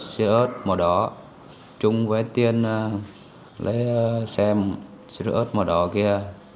xe ớt màu đỏ trung với tiên lấy xe xe ớt màu đỏ kia